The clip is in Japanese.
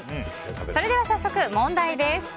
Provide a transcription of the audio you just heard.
それでは早速、問題です。